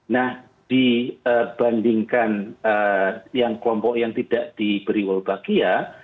nah dibandingkan kelompok yang tidak diberi wolbachia